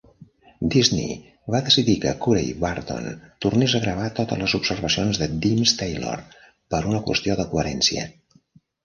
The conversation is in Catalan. Disney va decidir que Corey Burton tornés a gravar totes les observacions de Deems Taylor per una qüestió de coherència.